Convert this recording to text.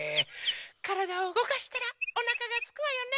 からだをうごかしたらおなかがすくわよね。